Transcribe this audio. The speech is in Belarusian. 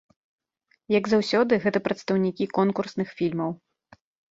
Як заўсёды, гэта прадстаўнікі конкурсных фільмаў.